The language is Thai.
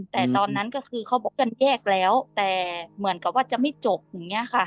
แต่ตอนนั้นก็คือเขาบอกกันแยกแล้วแต่เหมือนกับว่าจะไม่จบอย่างนี้ค่ะ